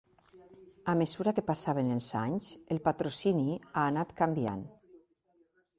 A mesura que passaven els anys, el patrocini ha anat canviant.